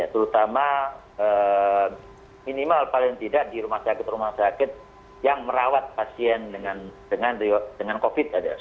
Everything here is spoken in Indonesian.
terutama minimal paling tidak di rumah sakit rumah sakit yang merawat pasien dengan covid sembilan belas